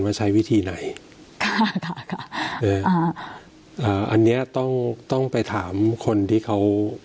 ว่าใช้วิธีไหนค่ะค่ะค่ะอันนี้ต้องไปถามคนที่เขา